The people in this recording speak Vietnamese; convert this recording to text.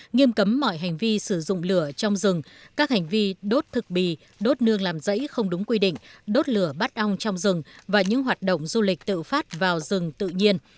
nghiêm cấm mọi hành vi sử dụng lửa trong rừng các hành vi đốt thực bì đốt nương làm rẫy không đúng quy định đốt lửa bắt ong trong rừng và những hoạt động du lịch tự phát vào rừng tự nhiên